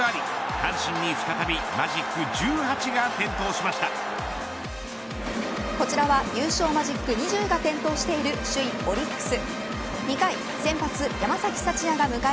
阪神に再び、マジック１８がこちらは優勝マジック２０が点灯している首位オリックス。